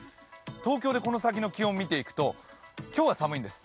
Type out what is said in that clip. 東京でこの先の気温を見ていくと、今日は寒いんです。